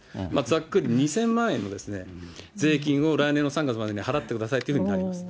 ざっくり２０００万円の税金を来年の３月までに払ってくださいというふうになります。